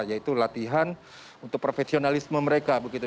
yaitu latihan untuk profesionalisme mereka begitu